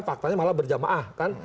faktanya malah berjamaah kan